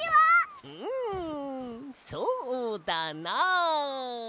んそうだな。